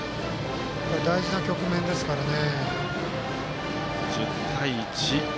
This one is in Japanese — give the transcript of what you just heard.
大事な局面ですからね。